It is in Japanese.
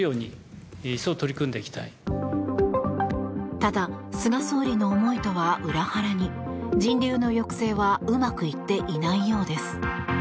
ただ、菅総理の思いとは裏腹に人流の抑制はうまくいっていないようです。